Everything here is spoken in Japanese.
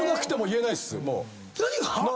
何が？